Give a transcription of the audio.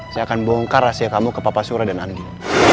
saya akan bohongkan rahasia kamu ke papa sura dan andin